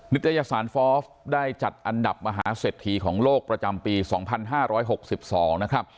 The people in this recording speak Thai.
ิตยสารฟอล์ฟได้จัดอันดับมหาเศรษฐีของโลกประจำปี๒๕๖๒นะครับ